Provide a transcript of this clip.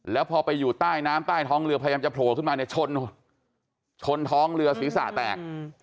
แล้วพอไปอยู่ใต้น้ำใต้ท้องเรือพยายามจะโผล่ขึ้นมาเนี่ยชนชนท้องเรือศีรษะแตก